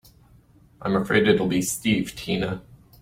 I'm afraid it'll be Steve Tina.